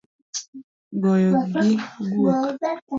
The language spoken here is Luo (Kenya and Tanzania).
Goyo gi guok